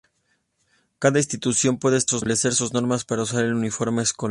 Cada institución puede establecer sus normas para usar el uniforme escolar.